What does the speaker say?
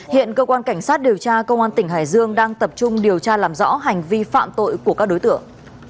hiện cơ quan cảnh sát điều tra công an tỉnh hải dương đang tập trung điều tra làm rõ hành vi phạm tội của các đối tượng